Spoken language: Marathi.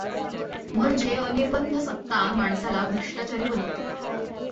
म्हणजे अनिर्बंध सत्ता माणसाला भ्रष्टाचारी बनवते.